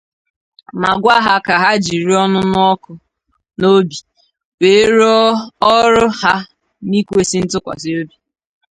ma gwa ha ka ha jiri ọnụnụọkụ n'obi wee rụọ ọrụ ha n'ikwesi ntụkwasịobi